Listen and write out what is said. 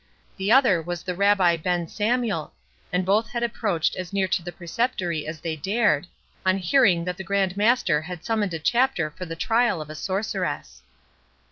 The other was the Rabbi Ben Samuel; and both had approached as near to the Preceptory as they dared, on hearing that the Grand Master had summoned a chapter for the trial of a sorceress.